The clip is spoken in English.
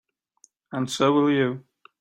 And so will you.